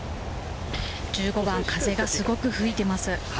１５番、風がすごく吹いています。